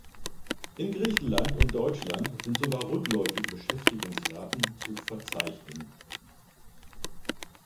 In Griechenland und Deutschland sind sogar rückläufige Beschäftigungsraten zu verzeichnen.